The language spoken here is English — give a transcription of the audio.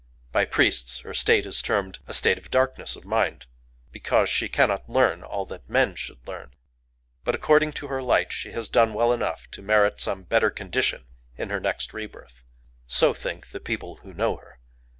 By priests her state is termed a state of darkness of mind, because she cannot learn all that men should learn; but according to her light she has done well enough to merit some better condition in her next rebirth. So think the people who know her.